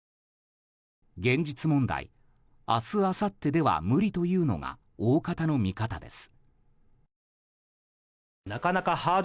現実問題、明日あさってでは無理というのが大方の見方です。